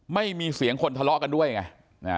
ไม่มีเสียงคนทะเลาะกันด้วยไง